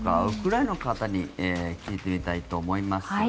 ウクライナの方に聞いてみたいと思います。